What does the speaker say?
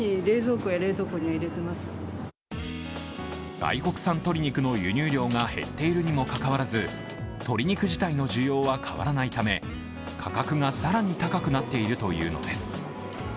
外国産鶏肉の輸入量が減っているにもかかわらず鶏肉自体の需要は変わらないため価格が更に高くなっているというのです。